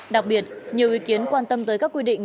đặc biệt nhiều ý kiến quan tâm tới các quy định